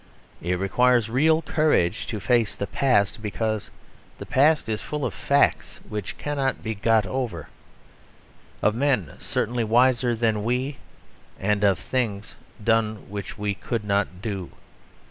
It requires real courage to face the past, because the past is full of facts which cannot be got over; of men certainly wiser than we and of things done which we could not do.